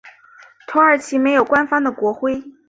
土耳其没有官方的国徽。